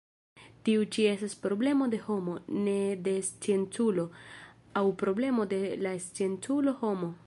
Tiu ĉi estas problemo de homo, ne de scienculo, aŭ problemo de la scienculo-homo.